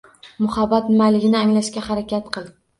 — Muhabbat nimaligini anglashga harakat qil.